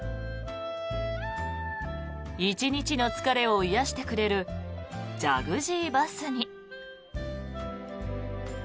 １日の疲れを癒やしてくれるジャグジーバスに。